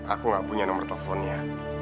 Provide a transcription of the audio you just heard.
aku nggak punya nomor teleponnya